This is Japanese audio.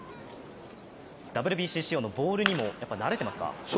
ＷＢＣ仕様のボールにも慣れてますか？